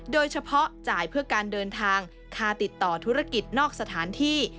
จ่ายเพื่อการเดินทางค่าติดต่อธุรกิจนอกสถานที่